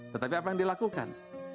tetapi apa yang dilakukan